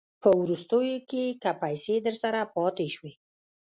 په وروستیو کې که پیسې درسره پاته شوې